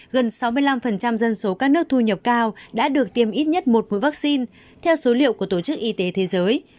gần sáu mươi năm dân số các nước thu nhập cao đã được tiêm ít nhất một khối vaccine theo số liệu của tổ chức y tế thế giới